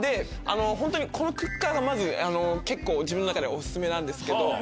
ホントにこのクッカーが結構自分の中ではオススメなんですけど。